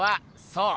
そう！